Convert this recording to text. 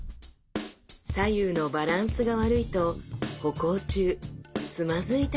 左右のバランスが悪いと歩行中つまずいたりしてしまいます。